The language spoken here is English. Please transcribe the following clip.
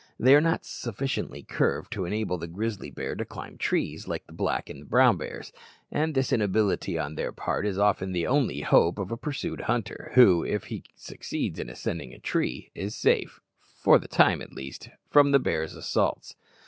They are not sufficiently curved to enable the grizzly bear to climb trees, like the black and brown bears; and this inability on their part is often the only hope of the pursued hunter, who, if he succeeds in ascending a tree, is safe, for the time at least, from the bear's assaults.